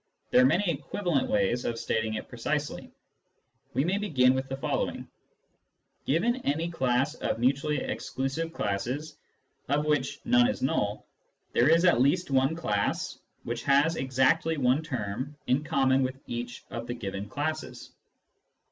There are many equivalent ways of stating it precisely. We may begin with the following :—" Given any class of mutually exclusive classes, of which none is null, there is at least one class which has exactly one term in common with each of the given classes."